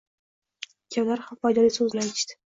kkovlari ham foydali so‘zni aytishdi